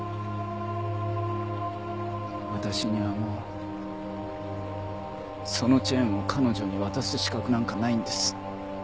私にはもうそのチェーンを彼女に渡す資格なんかないんです。